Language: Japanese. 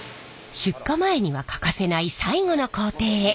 出荷前には欠かせない最後の工程へ。